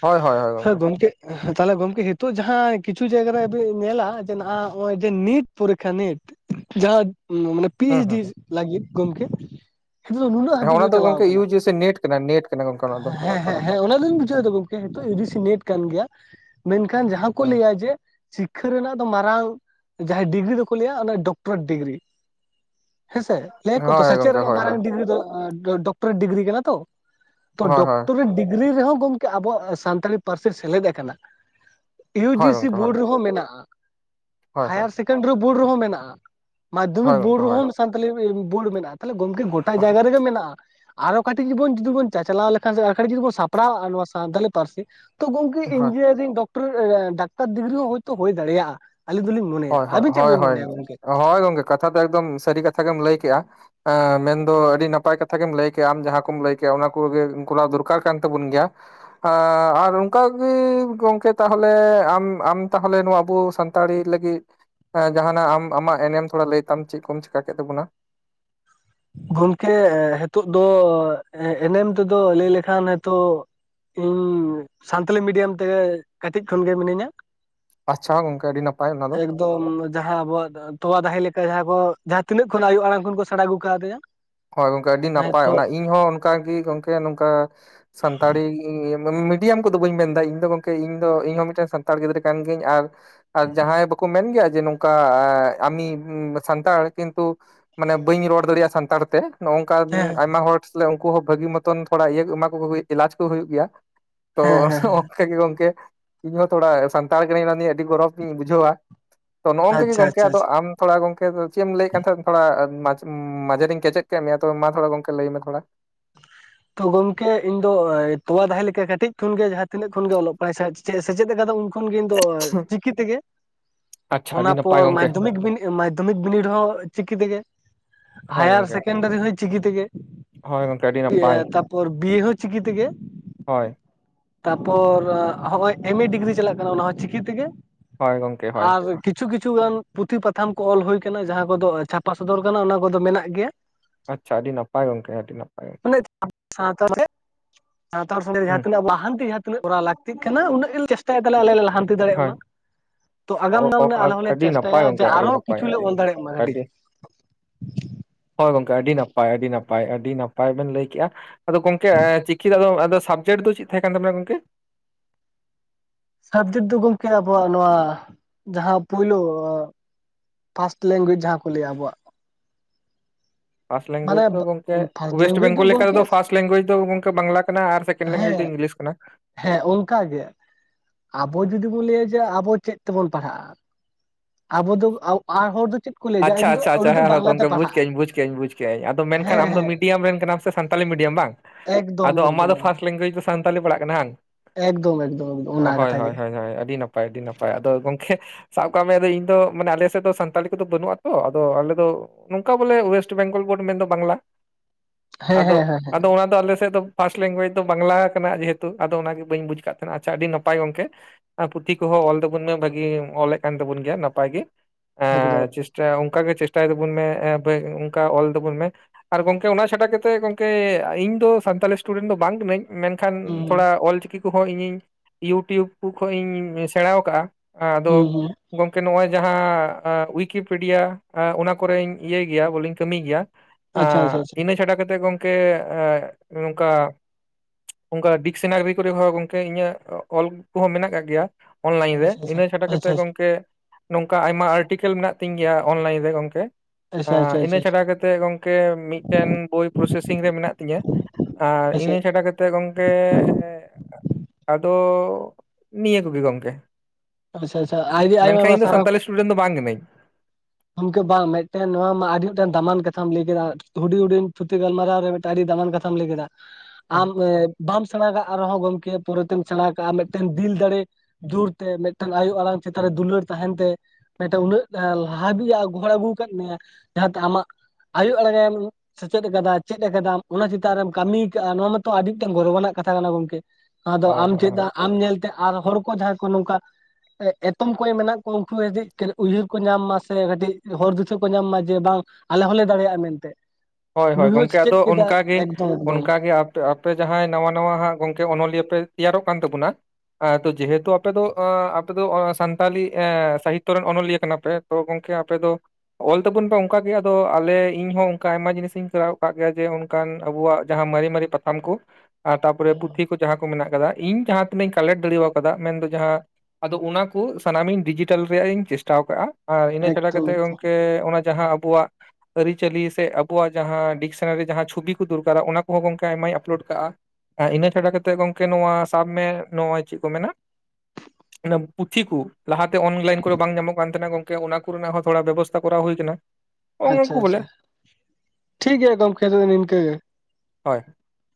ᱦᱳᱭ ᱦᱳᱭ ᱦᱳ ᱦᱮᱸ ᱜᱚᱢᱠᱮ᱾ ᱜᱚᱝᱠᱮ ᱛᱟᱦᱚᱞᱮ ᱜᱚᱝᱠᱮ ᱦᱤᱛᱚᱜ ᱡᱟᱦᱟᱸ ᱠᱤᱪᱷᱩ ᱡᱟᱭᱜᱟ ᱨᱮ ᱵᱤ ᱧᱮᱞᱟ ᱡᱮ ᱱᱟᱜᱷ ᱱᱚᱜ ᱚᱭ ᱡᱮ ᱱᱤᱴ ᱯᱚᱨᱤᱠᱠᱷᱟ ᱱᱤᱴ ᱡᱟᱦᱟᱸ ᱢᱟᱱᱮ ᱯᱤ ᱦᱩᱸ ᱮᱭᱤᱪ ᱰᱤ ᱦᱩᱸ ᱦᱩᱸ᱾ ᱞᱟᱹᱜᱤᱫ ᱜᱚᱢᱠᱮ᱾ ᱱᱤᱛᱚᱜ ᱫᱚ ᱱᱩᱱᱟᱹᱜ ᱦᱮᱸ ᱦᱟᱹᱵᱤᱡ ᱚᱱᱟ ᱦᱚᱸ ᱫᱚ ᱪᱟᱞᱟᱣ ᱜᱚᱝᱠᱮ ᱤᱭᱩ ᱠᱟᱱᱟ ᱡᱮ ᱥᱮ ᱱᱮᱴ ᱠᱟᱱᱟ ᱱᱮᱴ ᱠᱟᱱᱟ ᱜᱚᱝᱠᱮ ᱚᱱᱟ ᱫᱚ ᱦᱮᱸ ᱦᱮᱸ᱾ ᱦᱮᱸ ᱚᱱᱟ ᱫᱚᱧ ᱵᱩᱡᱷᱟᱹᱣ ᱫᱟ ᱜᱚᱝᱠᱮ ᱱᱤᱛᱚᱜ ᱤᱭᱩ ᱡᱤ ᱥᱤ ᱱᱮᱴ ᱠᱟᱱ ᱜᱮᱭᱟ ᱢᱮᱱᱠᱷᱟᱱ ᱡᱟᱦᱟᱸ ᱠᱚ ᱦᱩᱸ ᱞᱟᱹᱭᱟ ᱡᱮ ᱥᱤᱠᱠᱷᱷᱟᱹ ᱨᱮᱱᱟᱜ ᱫᱚ ᱢᱟᱨᱟᱝ ᱡᱟᱦᱟᱸᱭ ᱰᱤᱜᱽᱨᱤ ᱫᱚᱠᱚ ᱞᱟᱹᱭᱟ ᱚᱱᱟ ᱰᱚᱠᱴᱚᱨᱮᱴ ᱰᱤᱜᱽᱨᱤ᱾ ᱦᱮᱸᱥᱮ ᱞᱟᱹᱭ ᱟᱠᱟ ᱦᱳᱭ [unintelligible] ᱦᱳᱭ ᱥᱮᱪᱮᱫ ᱜᱚᱝᱠᱮ ᱨᱮᱱᱟᱜ ᱦᱳᱭ ᱦᱳᱭ ᱢᱟᱨᱟᱝ ᱰᱤᱜᱽᱨᱤ ᱫᱚ ᱰᱚᱠᱴᱚᱨᱮᱴ ᱰᱤᱜᱽᱨᱤ ᱠᱟᱱᱟ ᱛᱚ᱾ ᱛᱚ ᱦᱳᱭ ᱦᱳᱭ ᱰᱚᱠᱴᱚᱨᱮᱴ ᱰᱤᱜᱽᱨᱤ ᱨᱮᱦᱚᱸ ᱜᱚᱢᱠᱮ ᱟᱵᱚᱣᱟᱜ ᱥᱟᱱᱛᱟᱲᱤ ᱯᱟᱹᱨᱥᱤ ᱥᱮᱞᱮᱫ ᱟᱠᱟᱱᱟ᱾ ᱤᱭᱩ ᱦᱳᱭ ᱡᱤ ᱥᱤ ᱜᱚᱝᱠᱮ ᱦᱳᱭ ᱵᱳᱨᱰ ᱨᱮᱦᱚᱸ ᱢᱮᱱᱟᱜᱼᱟ, ᱦᱳᱭ ᱦᱳᱭ ᱦᱟᱭᱟᱨ ᱥᱮᱠᱮᱱᱰᱟᱹᱨᱤ ᱵᱳᱨᱰ ᱨᱮᱦᱚᱸ ᱢᱮᱱᱟᱜᱼᱟ᱾ ᱦᱳᱭ ᱢᱟᱫᱽᱫᱷᱚᱢᱤᱠ ᱜᱚᱝᱠᱮ ᱵᱳᱲᱰ ᱦᱳᱭ ᱨᱮᱦᱚᱸ ᱥᱟᱱᱛᱟᱞᱤ ᱵᱳᱨᱰ ᱢᱮᱱᱟᱜᱼᱟ ᱛᱟᱦᱚᱞᱮ ᱜᱚᱢᱠᱮ ᱜᱚᱴᱟ ᱡᱟᱭᱜᱟ ᱦᱳᱭ ᱨᱮᱜᱮ ᱢᱮᱱᱟᱜᱼᱟ ᱟᱨᱚ ᱠᱟᱹᱴᱤᱡ ᱵᱚᱱ ᱡᱩᱫᱤ ᱵᱚᱱ ᱪᱟ-ᱪᱟᱞᱟᱣ ᱞᱮᱠᱷᱟᱱ ᱟᱨ ᱠᱟᱹᱴᱤᱡ ᱡᱩᱫᱤ ᱵᱚᱱ ᱥᱟᱯᱲᱟᱣᱼᱟ ᱱᱚᱣᱟ ᱥᱟᱱᱛᱟᱞᱤ ᱯᱟᱹᱨᱥᱤ ᱛᱚ ᱜᱚᱝᱠᱮ ᱦᱳᱭ ᱤᱧᱡᱤᱱᱤᱭᱟᱨᱤᱝ, ᱰᱚᱠᱴᱚᱨ, ᱮ ᱰᱟᱛᱟᱨ ᱰᱤᱜᱨᱤ ᱦᱚᱸ ᱦᱳᱭ ᱛᱳ ᱦᱩᱭ ᱫᱟᱲᱮᱭᱟᱜᱼᱟ ᱟᱹᱞᱤᱧ ᱫᱚᱞᱤᱧ ᱢᱚᱱᱮᱭᱟ ᱦᱳᱭ ᱦᱳᱭ ᱟᱹᱵᱤᱱ ᱪᱮᱫ ᱦᱳᱭ ᱵᱤᱱ ᱦᱳᱭ ᱢᱚᱱᱮᱭᱟ ᱜᱚᱢᱠᱮ ᱦᱳᱭ ᱜᱚᱢᱠᱮ ᱠᱟᱛᱷᱟ ᱫᱚ ᱮᱠᱫᱚᱢ ᱥᱟᱹᱨᱤ ᱠᱟᱛᱷᱟ ᱜᱮᱢ ᱞᱟᱹᱭ ᱠᱮᱜᱼᱟ᱾ ᱮᱸ ᱢᱮᱱᱫᱚ ᱟᱹᱰᱤ ᱱᱟᱯᱟᱭ ᱠᱟᱛᱷᱟ ᱜᱮᱢ ᱞᱟᱹᱭ ᱠᱮᱜᱼᱟ, ᱟᱢ ᱡᱟᱦᱟᱸ ᱠᱚᱢ ᱞᱟᱹᱭ ᱠᱮᱜ ᱚᱱᱟ ᱠᱚᱜᱮ ᱠᱚᱨᱟᱣ ᱫᱚᱨᱠᱟᱨ ᱠᱟᱱ ᱛᱟᱵᱚᱱ ᱜᱮᱭᱟ᱾ ᱟᱨ ᱚᱱᱠᱟᱜᱤ ᱜᱚᱢᱠᱮ ᱛᱟᱦᱚᱞᱮ ᱟᱢ ᱟᱢ ᱛᱟᱦᱚᱞᱮ ᱱᱚᱣᱟ ᱟᱵᱚ ᱥᱟᱱᱛᱟᱲᱤ ᱞᱟᱹᱜᱤᱫ ᱡᱟᱸᱦᱟᱱᱟᱜ ᱟᱢ ᱟᱢᱟᱜ ᱮᱱᱮᱢ ᱛᱷᱚᱲᱟ ᱞᱟᱹᱭ ᱛᱟᱢ ᱪᱮᱫ ᱠᱚᱢ ᱪᱤᱠᱟᱹ ᱠᱮᱫ ᱛᱟᱵᱚᱱᱟ᱾ ᱜᱚᱝᱠᱮ ᱦᱮᱸᱛᱚᱜ ᱫᱚ ᱮᱱᱮᱢ ᱛᱮᱫᱚ ᱞᱟᱹᱭ ᱞᱮᱠᱷᱟᱱ ᱦᱮᱸᱛᱚᱜ ᱤᱧ ᱥᱟᱱᱛᱟᱞᱤ ᱢᱤᱰᱤᱭᱟᱢ ᱛᱮᱜᱮ ᱠᱟᱹᱴᱤᱡ ᱠᱷᱚᱱ ᱜᱮ ᱢᱤᱱᱟᱹᱧᱟ᱾ ᱟᱪᱪᱷᱟ ᱜᱚᱝᱠᱮ ᱟᱹᱰᱤ ᱱᱟᱯᱟᱭ ᱚᱱᱟ ᱫᱚ᱾ ᱛᱳ ᱡᱟᱸᱦᱟ ᱟᱵᱚᱣᱟᱜ ᱛᱚᱣᱟ ᱫᱟᱦᱮ ᱞᱮᱠᱟ ᱡᱟᱦᱟᱸ ᱠᱚ ᱡᱟᱦᱟᱸ ᱛᱤᱱᱟᱹᱜ ᱠᱷᱚᱱ ᱟᱭᱳ ᱟᱲᱟᱝ ᱠᱷᱚᱱ ᱠᱚ ᱥᱮᱬᱟ ᱟᱜᱩ ᱠᱟᱣ ᱫᱮᱭᱟ᱾ ᱦᱳᱭ ᱜᱚᱝᱠᱮ ᱟᱹᱰᱤ ᱱᱟᱯᱟᱭ, ᱚᱱᱟ ᱤᱧᱦᱚᱸ ᱚᱱᱠᱟᱜᱮ ᱜᱚᱝᱠᱮ ᱱᱚᱝᱠᱟ ᱥᱟᱱᱛᱟᱲᱤ ᱢᱤᱰᱤᱭᱟᱢ ᱠᱚᱫᱚ ᱵᱟᱹᱧ ᱢᱮᱱᱫᱟ ᱤᱧ ᱫᱚ ᱜᱚᱝᱠᱮ ᱤᱧ ᱫᱚ ᱤᱧ ᱦᱚᱸ ᱢᱤᱫᱴᱮᱱ ᱥᱟᱱᱛᱟᱲ ᱜᱤᱫᱽᱨᱟᱹ ᱠᱟᱱ ᱜᱤᱭᱟᱹᱧ ᱟᱨ ᱟᱨ ᱡᱟᱦᱟᱸᱭ ᱵᱟᱠᱚ ᱢᱮᱱ ᱜᱮᱭᱟ ᱡᱮ [unintelligible] ᱚᱱᱠᱟ ᱟ ᱟᱢᱤ ᱥᱟᱱᱛᱟᱲ ᱠᱤᱱᱛᱩ ᱢᱟᱱᱮ ᱵᱟᱹᱧ ᱨᱚᱲ ᱫᱟᱲᱮᱭᱟᱜᱼᱟ ᱥᱟᱱᱛᱟᱲ ᱛᱮ᱾ ᱱᱚᱜᱝᱠᱟ ᱦᱮᱸ ᱟᱭᱢᱟ ᱦᱚᱲ ᱞᱮ ᱩᱱᱠᱩ ᱦᱚᱸ ᱵᱷᱟᱹᱜᱤ ᱢᱚᱛᱚᱱ ᱛᱷᱚᱲᱟ ᱤᱭᱟᱹ ᱮᱢᱟ ᱠᱚ [inaudible] ᱮᱞᱟᱡᱽ ᱠᱚ ᱦᱩᱭᱩᱜ ᱜᱮᱭᱟ᱾ ᱛᱚ ᱦᱮᱸ ᱦᱮᱸ ᱦᱮᱸ [unintelligible] [unintelligible] ᱜᱚᱝᱠᱮ ᱤᱧᱦᱚᱸ ᱛᱷᱚᱲᱟ ᱥᱟᱱᱛᱟᱲ ᱠᱟᱹᱱᱟᱹᱧ ᱚᱱᱟᱛᱮ ᱟᱹᱰᱤ ᱜᱚᱨᱚᱵᱽ ᱜᱤᱧ ᱵᱩᱡᱷᱟᱹᱣᱟ᱾ ᱛᱚ ᱱᱚᱜ ᱚ ᱱᱚᱝᱠᱟ ᱜᱮ ᱟᱪᱪᱷᱟ ᱜᱚᱝᱠᱮ ᱟᱪᱪᱷᱟ ᱟᱫᱚ ᱟᱪᱪᱷᱟ ᱟᱢ ᱛᱷᱚᱲᱟ ᱜᱚᱝᱠᱮ ᱪᱮᱫ ᱮᱢ ᱞᱟᱹᱭᱮᱫ ᱠᱟᱱ ᱛᱟᱸᱦᱮᱫ ᱛᱷᱚᱲᱟ [unintelligible] ᱢᱟᱡᱷᱮᱨᱤᱧ ᱠᱮᱪᱮᱫ [unintelligible] ᱢᱮᱭᱟ ᱢᱟ ᱛᱷᱚᱲᱟ ᱜᱚᱝᱠᱮ ᱞᱟᱹᱭ ᱢᱮ ᱛᱷᱚᱲᱟ᱾ [unintelligible] ᱛᱚ ᱜᱚᱝᱠᱮ ᱤᱧ ᱫᱚ ᱛᱚᱣᱟ ᱫᱟᱦᱮ ᱞᱮᱠᱟ ᱠᱟᱹᱴᱤᱡ ᱠᱷᱚᱱᱜᱮ ᱡᱟᱸᱦᱟ ᱛᱤᱱᱟᱹᱜ ᱠᱷᱚᱱ ᱜᱮ ᱚᱞᱚᱜ ᱯᱟᱲᱦᱟᱜ [inaudible] ᱥᱮᱪᱮᱫ ᱟᱠᱟᱫᱟ ᱩᱱ᱾ ᱩᱱ ᱜᱮ ᱤᱧ ᱫᱚ ᱪᱤᱠᱤ ᱛᱮᱜᱮ᱾ ᱟᱪᱪᱷᱟ ᱚᱱᱟ ᱟᱹᱰᱤ ᱱᱟᱯᱟᱭ ᱯᱚᱨ ᱜᱚᱝᱠᱮ ᱢᱟᱫᱽᱫᱷᱚᱢᱤᱠ‌ᱵᱤᱱᱤ ᱢᱟᱫᱽᱫᱷᱚᱢᱤᱠ ᱵᱤᱱᱤᱰ ᱦᱚᱸ ᱪᱤᱠᱤ ᱛᱮᱜᱮ᱾ ᱦᱳᱭ ᱦᱟᱭᱟᱨ ᱜᱚᱝᱠᱮ ᱥᱮᱠᱮᱱᱰᱟᱨᱤ ᱦᱚᱸ ᱪᱤᱠᱤ ᱛᱮᱜᱮ᱾ ᱦᱳᱭ ᱜᱚᱝᱠᱮ᱾ [unintelligible] ᱮᱭᱮ ᱛᱟᱯᱚᱨ ᱵᱤᱭᱮ ᱦᱚᱸ ᱪᱤᱠᱤ ᱛᱮᱜᱮ᱾ ᱦᱳᱭ ᱛᱟᱯᱚᱨ ᱦᱚᱸᱜᱼᱚᱭ ᱮᱢ ᱮ ᱰᱤᱜᱽᱨᱤ ᱪᱟᱞᱟᱜ ᱠᱟᱱᱟ ᱚᱱᱟ ᱦᱚᱸ ᱪᱤᱠᱤ ᱛᱮᱜᱮ ᱦᱳᱭ ᱜᱚᱝᱠᱮ ᱦᱳᱭ ᱟᱨ ᱠᱤᱪᱷᱩ ᱠᱤᱪᱷᱩ ᱜᱟᱱ ᱯᱩᱛᱷᱤ ᱯᱟᱛᱷᱟᱢ ᱠᱚ ᱚᱞ ᱦᱩᱭ ᱟᱠᱟᱱᱟ ᱡᱟᱦᱟᱸ ᱠᱚᱫᱚ ᱪᱷᱟᱯᱟ ᱥᱚᱫᱚᱨ ᱠᱟᱱᱟ ᱚᱱᱟ ᱠᱚᱫᱚ ᱢᱮᱱᱟᱜ ᱜᱮᱭᱟ᱾ ᱟᱪᱪᱷᱟ ᱟᱹᱰᱤ ᱱᱟᱯᱟᱭ ᱜᱚᱝᱠᱮ ᱟᱹᱰᱤ ᱱᱟᱯᱟᱭ᱾ [inaudible] ᱦᱩᱸ ᱛᱤᱱᱟᱹᱜ ᱠᱚᱨᱟᱣ ᱞᱟᱹᱠᱛᱤᱜ ᱠᱟᱱᱟ ᱩᱱᱟᱹᱜ ᱜᱮ ᱪᱮᱥᱴᱟᱭ ᱮᱫᱟᱞᱮ ᱟᱞᱮ ᱞᱮ ᱞᱟᱦᱟᱱ [unintelligible] ᱫᱟᱲᱮᱭᱟᱜ ᱦᱳᱭ ᱢᱟ ᱛᱚ ᱟᱜᱟᱢ ᱫᱟᱢ ᱨᱮ ᱟᱞᱮ ᱦᱚᱸᱞᱮ ᱟᱹᱰᱤ ᱱᱟᱯᱟᱭ ᱪᱮᱥᱴᱟᱭᱟ ᱡᱮ ᱜᱚᱝᱠᱮ ᱟᱹᱰᱤ ᱟᱨᱦᱚᱸ ᱱᱟᱯᱟᱭ ᱠᱤᱪᱷᱩ ᱞᱮ ᱟᱹᱰᱤ ᱚᱞ ᱫᱟᱲᱮᱭᱟᱜ ᱢᱟ ᱠᱟᱹᱴᱤᱡ᱾ ᱟᱹᱰᱤ ᱦᱳᱭ ᱜᱚᱝᱠᱮ ᱟᱹᱰᱤ ᱱᱟᱯᱟᱭ ᱟᱹᱰᱤ ᱱᱟᱯᱟᱭ ᱟᱹᱰᱤ ᱱᱟᱯᱟᱭ ᱵᱮᱱ ᱞᱟᱹᱭ ᱠᱮᱜᱼᱟ᱾ ᱟᱫᱚ ᱜᱚᱝᱠᱮ ᱪᱤᱠᱤ ᱫᱚ ᱟᱫᱚ ᱟᱫᱚ ᱥᱟᱵᱽᱡᱮᱠᱴ ᱫᱚ ᱪᱮᱫ ᱛᱟᱦᱮᱸ ᱠᱟᱱ ᱛᱟᱵᱮᱱᱟ ᱜᱚᱝᱠᱮ? ᱥᱟᱵᱽᱡᱮᱠᱴ ᱫᱚ ᱜᱚᱝᱠᱮ ᱟᱵᱚᱣᱟᱜ ᱱᱚᱣᱟ ᱡᱟᱦᱟᱸ ᱯᱩᱭᱞᱩ ᱯᱷᱟᱥᱴ ᱞᱮᱝᱜᱩᱭᱮᱡᱽ ᱡᱟᱦᱟᱸ ᱠᱚ ᱞᱟᱹᱭᱟ ᱟᱵᱚᱣᱟᱜ᱾ ᱯᱷᱟᱥᱴ ᱞᱮᱝᱜᱩᱭᱮᱡᱽ ᱢᱟᱱᱮ ᱫᱚ ᱜᱚᱝᱠᱮ ᱯᱷᱟᱥᱴ ᱚᱭᱮᱥᱴ ᱞᱮᱝᱜᱩᱭᱮᱡᱽ ᱵᱮᱝᱜᱚᱞ ᱞᱮᱠᱟ ᱛᱮ ᱜᱚᱢᱠᱮ ᱫᱚ ᱯᱷᱟᱥᱴ ᱞᱮᱝᱜᱩᱭᱮᱡᱽ ᱫᱚ ᱜᱚᱝᱠᱮ ᱵᱟᱝᱞᱟ ᱠᱟᱱᱟ ᱟᱨ ᱥᱮᱠᱮᱱᱰ ᱞᱮᱝᱜᱩᱭᱮᱡᱽ ᱫᱚ ᱦᱮᱸ ᱤᱝᱞᱤᱥ ᱠᱟᱱᱟ᱾ ᱦᱮᱸ ᱚᱱᱠᱟ ᱜᱮ ᱟᱵᱚ ᱡᱩᱫᱤ ᱵᱚᱱ ᱞᱟᱹᱭᱟ ᱡᱮ ᱟᱵᱚ ᱪᱮᱫ ᱛᱮᱵᱚᱱ ᱯᱟᱲᱦᱟᱜᱼᱟ? ᱟᱵᱚ ᱫᱚ [inaudible] ᱟᱨ ᱦᱚᱲ ᱫᱚ ᱪᱮᱫ? ᱠᱚ ᱞᱟᱹᱭᱟ ᱟᱪᱪᱷᱟ ᱤᱧ ᱫᱚ ᱟᱪᱪᱷᱟ ᱟᱪᱪᱷᱟ ᱩᱱᱤ ᱫᱚ ᱦᱮᱸ ᱦᱮᱸ ᱵᱟᱝᱞᱟᱛᱮ ᱜᱚᱝᱠᱮ, ᱵᱩᱡᱽ ᱯᱟᱲᱦᱟᱜᱼᱟᱭ ᱠᱟᱹᱜᱤᱧ ᱵᱩᱡᱽ ᱠᱟᱹᱜᱤᱧ, ᱵᱩᱡᱽ ᱠᱟᱹᱜᱤᱧ ᱟᱫᱚ ᱢᱮᱱᱠᱷᱟᱱ ᱦᱮᱸ ᱟᱢᱫᱚ ᱦᱮᱸ ᱢᱤᱰᱤᱭᱟᱢ ᱨᱮᱱ ᱠᱟᱱᱟᱢ ᱥᱮ ᱥᱟᱱ ᱥᱟᱱᱛᱟᱞᱤ ᱢᱤᱰᱤᱭᱟᱢ ᱵᱟᱝ ᱮᱠᱫᱚᱢ ᱟᱫᱚ ᱟᱢᱟᱜ ᱮᱠᱫᱚᱢ ᱫᱚ ᱯᱷᱟᱥᱴ ᱞᱮᱝᱜᱩᱭᱮᱡᱽ ᱫᱚ ᱥᱟᱱᱛᱟᱞᱤ ᱯᱟᱲᱟᱜ ᱠᱟᱱᱟ ᱵᱟᱝ ᱮᱠᱫᱚᱢ ᱮᱠᱫᱚᱢ ᱮᱠᱫᱚᱢ ᱚ, ᱚᱱᱟ ᱦᱳᱭ ᱠᱟᱛᱷᱟ ᱜᱮ ᱦᱳᱭ ᱦᱳᱭ‌ ᱦᱳᱭ ᱟᱹᱰᱤ ᱱᱟᱯᱟᱭ ᱴᱟᱹᱰᱤ ᱱᱟᱯᱟᱭ ᱟᱹᱰᱤ ᱱᱟᱯᱟᱭ ᱟᱫᱚ ᱜᱚᱝᱠᱮ ᱥᱟᱵ ᱠᱟᱜ ᱢᱮ ᱟᱫᱚ ᱤᱧ ᱫᱚ ᱢᱟᱱᱮ ᱟᱞᱮ ᱥᱮᱫ ᱫᱚ ᱥᱟᱱᱛᱟᱲᱤ ᱫᱚ ᱵᱟᱹᱱᱩᱜᱼᱟᱛᱚ ᱟᱫᱚ ᱟᱞᱮ ᱫᱚ ᱱᱚᱝᱠᱟ ᱵᱚᱞᱮ ᱚᱭᱮᱥᱴ ᱵᱮᱝᱜᱚᱞ ᱵᱳᱰ ᱢᱮᱱᱫᱚ ᱵᱟᱝᱞᱟ ᱦᱮᱸ ᱦᱮᱸ ᱟᱫᱚ ᱦᱮᱸ ᱦᱮᱸ ᱟᱫᱚ ᱚᱱᱟ ᱫᱚ ᱟᱞᱮ ᱥᱮᱫ ᱫᱚ ᱯᱷᱟᱥᱴ ᱞᱮᱝᱜᱩᱭᱮᱡ ᱫᱚ ᱵᱟᱝᱞᱟ ᱠᱟᱱᱟ ᱡᱮᱦᱩᱛᱩ ᱟᱫᱚ ᱚᱱᱟᱜᱮ ᱵᱟᱹᱧ ᱵᱩᱡᱽ ᱠᱟᱜ ᱛᱟᱦᱮᱱᱟ ᱟᱪᱪᱷᱟ ᱟᱹᱰᱤ ᱱᱟᱯᱟᱭ ᱜᱚᱝᱠᱮ ᱟᱨ ᱯᱩᱛᱷᱤ ᱠᱚᱦᱚᱸ ᱚᱞ ᱛᱟᱵᱚᱱ ᱢᱮ ᱵᱷᱟᱜᱤ ᱜᱮᱢ ᱚᱞᱮᱫ ᱠᱟᱱ ᱛᱟᱵᱚᱱ ᱜᱮᱭᱟ ᱱᱟᱯᱟᱭ ᱜᱮ ᱮᱠᱫᱚᱢ ᱱᱤᱥᱪᱳᱭ ᱚᱱᱠᱟ ᱜᱮ ᱪᱮᱥᱴᱟᱭ ᱛᱟᱵᱚᱱ ᱢᱮ ᱵᱮᱠ ᱚᱝᱠᱟ ᱚᱞ ᱛᱟᱵᱚᱱ ᱢᱮ᱾ ᱟᱨ ᱜᱚᱝᱠᱮ ᱚᱱᱟ ᱪᱷᱟᱰᱟ ᱠᱟᱛᱮᱫ ᱜᱚᱝᱠᱮ ᱤᱧ ᱫᱚ ᱥᱟᱱᱛᱟᱞᱤ ᱥᱴᱩᱰᱮᱱᱴ ᱫᱚ ᱵᱟᱝ ᱠᱟᱹᱱᱟᱹᱧ ᱢᱮᱱ ᱠᱷᱟᱱ ᱦᱩᱸ ᱛᱷᱚᱲᱟ ᱚᱞᱪᱤᱠᱤ ᱠᱚᱦᱚᱸ ᱤᱧᱤᱧ ᱤᱭᱩᱴᱭᱩᱵᱽ ᱠᱚ ᱠᱷᱚᱚᱡ ᱤᱧ ᱥᱮᱬᱟᱣ ᱠᱟᱜᱼᱟ ᱦᱮᱸ ᱟᱫᱚ ᱦᱩᱸ ᱦᱩᱸ ᱜᱚᱝᱠᱮ ᱱᱚᱜᱼᱚᱭ ᱡᱟᱦᱟᱸ ᱩᱭᱠᱤ ᱯᱤᱰᱭᱟ ᱠᱚᱨᱮ ᱮᱸᱜ ᱚᱱᱟ ᱠᱚᱨᱮᱧ ᱵᱚᱞᱮᱧ ᱠᱟᱹᱢᱤᱭ ᱜᱮᱭᱟ ᱟᱪᱪᱷᱟ ᱟᱪᱪᱷᱟ ᱟᱸᱜ ᱟᱪᱪᱷᱟ ᱤᱱᱟᱹ ᱪᱷᱟᱰᱟ ᱠᱟᱛᱮᱜ ᱜᱚᱝ ᱠᱮ ᱮᱸᱜ ᱱᱚᱠᱟ ᱚᱝᱠᱟ ᱰᱤᱠᱥᱱᱟᱨᱤ ᱠᱚᱨᱮᱦᱚᱸ ᱜᱚᱝᱠᱮ ᱤᱧᱟᱹᱜ ᱚᱞ ᱠᱚᱦᱚᱸ ᱢᱮᱱᱟᱜ ᱟᱠᱟᱟᱜ ᱜᱮᱭᱟ ᱚᱱᱞᱟᱭᱤᱱ ᱨᱮ, ᱟᱪᱪᱷᱟ ᱟᱪᱪᱷᱟ ᱤᱱᱟᱹ ᱪᱷᱟᱰᱟ ᱠᱟᱛᱮᱫ ᱟᱪᱪᱷᱟ ᱟᱪᱪᱷᱟ ᱜᱚᱝᱠᱮ ᱱᱚᱝᱠᱟ ᱟᱭᱢᱟ ᱟᱨᱴᱤᱠᱟᱞ ᱢᱮᱱᱟᱜ ᱛᱤᱧ ᱜᱮᱭᱟ ᱚᱱᱞᱟᱭᱤᱱ ᱨᱮ ᱜᱚᱝᱠᱮ ᱟᱪᱪᱷᱟ ᱟᱪᱪᱷᱟ ᱤᱱᱟᱹ ᱪᱷᱟᱰᱟ ᱠᱟᱛᱮᱫ ᱛᱮ ᱜᱚᱝᱠᱮ ᱢᱤᱫᱴᱮᱱ ᱵᱳᱭ ᱯᱚᱨᱚᱥᱮᱥᱤᱝ ᱨᱮ ᱢᱮᱱᱟᱜ ᱛᱤᱧᱟᱹ ᱟᱸᱻ ᱤᱱᱟᱹ ᱟᱪᱪᱷᱟ ᱪᱷᱟᱰᱟ ᱠᱟᱛᱮ ᱛᱮ ᱜᱚᱝᱠᱮ ᱟᱫᱚ ᱱᱤᱭᱟᱹ ᱠᱚᱜᱮ ᱜᱚᱝᱠᱮ ᱟᱪᱪᱷᱟ ᱟᱪᱪᱷᱟ ᱟᱹᱰᱤ ᱟᱭᱢᱟ ᱢᱮᱱᱠᱷᱟᱱ ᱟᱭᱢᱟ ᱤᱧ ᱫᱚ ᱥᱟᱨᱦᱟᱣ ᱥᱟᱱᱛᱟᱞᱤ ᱤᱥᱴᱩᱰᱮᱱᱴ ᱫᱚ ᱵᱟᱝ ᱠᱟᱹᱱᱟᱹᱧ ᱜᱚᱢᱠᱮ ᱵᱟᱝ ᱢᱤᱫᱴᱮᱱ ᱱᱚᱣᱟ ᱢᱟ ᱟᱹᱰᱤ ᱢᱤᱫᱴᱟᱝ ᱫᱟᱢᱟᱱ ᱠᱟᱛᱷᱟᱢ ᱞᱟᱹᱭ ᱠᱮᱫᱟ ᱦᱩᱰᱤᱧ ᱦᱩᱰᱤᱧ ᱛᱷᱩᱛᱤ ᱜᱟᱞᱢᱟᱨᱟᱣ ᱨᱮ ᱛᱮ ᱟᱰᱤ ᱫᱟᱢᱟᱱ ᱠᱟᱛᱷᱟᱢ ᱞᱟᱹᱭ ᱠᱮᱫᱟ ᱟᱢ ᱵᱟᱢ ᱥᱮᱬᱟ ᱠᱟᱜ ᱟᱨᱦᱚᱸ ᱜᱚᱢᱠᱮ ᱯᱚᱨᱮᱛᱮᱢ ᱥᱮᱬᱟ ᱠᱟᱜᱼᱟ ᱢᱤᱫᱴᱮᱱ ᱫᱤᱞ ᱫᱟᱲᱮ ᱡᱳᱨᱛᱮ ᱢᱤᱫᱴᱟᱝ ᱟᱭᱳ ᱟᱲᱟᱝ ᱪᱮᱛᱟᱱ ᱨᱮ ᱫᱩᱞᱟᱹᱲ ᱛᱟᱦᱮᱱ ᱛᱮ ᱢᱤᱫᱴᱟᱝ ᱩᱱᱟᱹᱜ ᱦᱟᱹᱵᱤᱡ ᱟ ᱜᱚᱦᱚᱲ ᱟᱹᱜᱩ ᱟᱠᱟᱫ ᱢᱮᱭᱟ ᱡᱟᱦᱟᱸᱛᱮ ᱟᱢᱟᱜ ᱟᱭᱳ ᱟᱲᱟᱝᱮᱢ ᱥᱮᱪᱮᱫ ᱠᱟᱫᱟ ᱪᱮᱫ ᱟᱠᱟᱫᱟᱢ ᱚᱱᱟ ᱪᱮᱛᱟᱱ ᱨᱮᱢ ᱠᱟᱹᱢᱤ ᱠᱟᱜᱼᱟ ᱱᱚᱣᱟ ᱢᱟᱛᱚ ᱟᱹᱰᱤ ᱢᱤᱫᱴᱟᱝ ᱜᱚᱨᱚᱵᱱᱟᱜ ᱠᱟᱛᱷᱟ ᱠᱟᱱᱟ ᱜᱚᱝᱠᱮ ᱟᱫᱚ ᱦᱳᱭ ᱟᱢ ᱦᱳᱭ ᱦᱳᱭ ᱪᱮᱫᱟᱜ ᱟᱢ ᱧᱮᱞ ᱟᱨ ᱦᱚᱲ ᱠᱚ ᱡᱟᱦᱟᱸᱭ ᱠᱚ ᱱᱚᱝᱠᱟ ᱮᱛᱚᱢ ᱠᱚᱸᱭᱮ ᱢᱮᱱᱟᱜ ᱠᱚᱣᱟ ᱩᱱᱠᱩ ᱟᱹᱰᱤ ᱩᱛᱟᱹᱨ ᱩᱭᱦᱟᱹᱨ ᱠᱚ ᱧᱟᱢ ᱢᱟ ᱥᱮ ᱠᱚ ᱠᱟᱹᱴᱤᱡ ᱦᱚᱨ ᱫᱤᱥᱟᱹ ᱠᱚ ᱧᱟᱢ ᱢᱟ ᱡᱮ ᱵᱟᱝ ᱟᱞᱮ ᱦᱚᱸᱞᱮ ᱫᱟᱲᱮᱭᱟᱜᱼᱟ ᱢᱮᱱᱛᱮ, ᱦᱳᱭ ᱦᱳᱭ ᱱᱩᱭ ᱦᱚᱸ ᱜᱚᱝᱠᱮ ᱥᱮᱪᱮᱫ ᱟᱫᱚ ᱠᱮᱫᱟ ᱚᱱᱠᱟᱜ ᱜᱮ ᱮᱠᱫᱚᱢ ᱮᱠᱫᱚᱢ ᱚᱱᱠᱟᱜᱮ, ᱛᱚ, ᱟᱯᱮ ᱡᱟᱦᱟᱸᱭ ᱱᱟᱣᱟ ᱱᱟᱣᱟ ᱦᱟᱸᱜ ᱜᱚᱝᱠᱮ ᱚᱱᱚᱞᱤᱭᱟᱹ ᱯᱮ ᱛᱮᱭᱟᱨᱚᱜ ᱠᱟᱱ ᱛᱟᱵᱚᱱᱟ ᱮᱸ ᱛᱚ ᱡᱮᱦᱮᱛᱩ ᱟᱯᱮ ᱫᱚ ᱟᱯᱮ ᱫᱚ ᱥᱟᱱᱛᱟᱞᱤ ᱥᱟᱦᱤᱛᱛᱚ ᱨᱮᱱ ᱚᱱᱚᱞᱤᱭᱟᱹ ᱠᱟᱱᱟ ᱯᱮ, ᱛᱚ ᱜᱚᱝᱠᱮ ᱟᱯᱮ ᱫᱚ ᱚᱞ ᱛᱟᱵᱚᱱ ᱯᱮ ᱚᱝᱠᱟ ᱜᱮ ᱟᱫᱚ ᱟᱞᱮ ᱤᱧ ᱦᱚᱸ ᱚᱝᱠᱟ ᱟᱭᱢᱟ ᱡᱤᱱᱤᱥᱤᱧ ᱠᱚᱨᱟᱣ ᱟᱠᱟᱫ ᱜᱮᱭᱟ ᱡᱮ ᱚᱱᱠᱟᱱ ᱟᱵᱚᱣᱟᱜ ᱡᱟᱦᱟᱸ ᱢᱟᱨᱮ ᱢᱟᱨᱮ ᱯᱟᱛᱷᱟᱢ ᱠᱚ ᱟᱨ ᱛᱟᱯᱚᱨᱮ ᱮᱠᱫᱚᱢ ᱯᱚᱛᱷᱤ ᱠᱚ ᱡᱟᱦᱟᱸ ᱠᱚ ᱢᱮᱱᱟᱜ ᱠᱟᱫᱟ, ᱤᱧ ᱡᱟᱦᱟᱸ ᱛᱤᱱᱟᱹᱜ ᱤᱧ ᱠᱟᱞᱮᱠᱴ ᱫᱟᱲᱮ ᱠᱟᱫᱟ ᱢᱮᱱᱫᱚ ᱡᱟᱦᱟᱸ ᱟᱫᱚ ᱚᱱᱟ ᱠᱚ ᱥᱟᱱᱟᱢᱤᱧ ᱰᱤᱡᱤᱴᱮᱞ ᱨᱮᱭᱟᱜ ᱤᱧ ᱪᱮᱥᱴᱟᱣ ᱠᱟᱜᱼᱟ ᱟᱨ ᱤᱱᱟᱹ ᱪᱷᱟᱰᱟ ᱠᱟᱛᱮᱫ ᱮᱠᱫᱚᱢ ᱜᱚᱝᱠᱮ ᱚᱱᱟ ᱡᱟᱦᱟᱸ ᱟᱵᱚᱣᱟᱜ ᱟᱹᱨᱤᱪᱟᱹᱞᱤ ᱥᱮ ᱟᱵᱚᱣᱟᱜ ᱡᱟᱦᱟᱸ ᱰᱤᱠᱥᱱᱟᱨᱤ ᱡᱟᱦᱟᱸ ᱪᱷᱚᱵᱤ ᱠᱚ ᱫᱚᱨᱠᱟᱨᱟ ᱚᱱᱟ ᱠᱚᱦᱚᱸ ᱜᱚᱝᱠᱮ ᱟᱭᱢᱟᱣ ᱟᱯᱞᱳᱰ ᱠᱟᱜᱼᱟ ᱤᱱᱟᱹ ᱪᱷᱟᱰᱟ ᱠᱟᱛᱮᱜ ᱜᱚᱝᱠᱮ ᱱᱚᱣᱟ ᱥᱟᱵ ᱢᱮ ᱱᱚᱜ-ᱚᱭ ᱪᱮᱫ ᱠᱚ ᱢᱮᱱᱟ, ᱤᱱᱟᱹ ᱯᱩᱛᱷᱤ ᱠᱩ ᱞᱟᱦᱟ ᱛᱮ ᱚᱱᱞᱟᱭᱤᱱ ᱠᱚᱨᱮ ᱵᱟᱝ ᱧᱟᱢᱚᱜ ᱠᱟᱱ ᱛᱟᱦᱮᱱᱟ ᱜᱚᱝᱠᱮ ᱚᱱᱟ ᱠᱚᱨᱮᱱᱟᱜ ᱦᱚᱸ ᱛᱷᱚᱲᱟ᱾ ᱵᱮᱵᱚᱥᱛᱟ ᱠᱚᱨᱟᱣ ᱦᱳᱭ ᱠᱟᱱᱟ ᱱᱚᱜᱼᱚ ᱱᱚᱣᱟ ᱟᱪᱪᱷᱟ ᱠᱚ ᱵᱚᱞᱮ ᱟᱪᱪᱷᱟ ᱴᱷᱤᱠᱜᱮᱭᱟ ᱜᱚᱝᱠᱮ ᱱᱤᱛᱚᱜ ᱫᱚ ᱤᱱᱠᱟᱹᱜ ᱜᱮ ᱦᱳᱭ